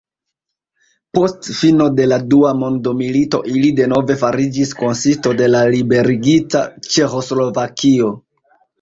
Post fino de la dua mondmilito ili denove fariĝis konsisto de la liberigita Ĉeĥoslovakio.